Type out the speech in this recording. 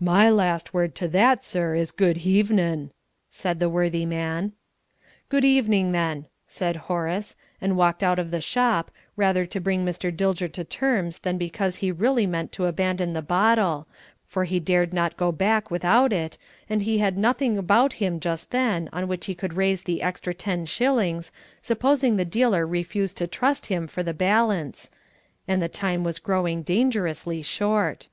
"My last word to that, sir, is good hevenin'," said the worthy man. "Good evening, then," said Horace, and walked out of the shop; rather to bring Mr. Dilger to terms than because he really meant to abandon the bottle, for he dared not go back without it, and he had nothing about him just then on which he could raise the extra ten shillings, supposing the dealer refused to trust him for the balance and the time was growing dangerously short.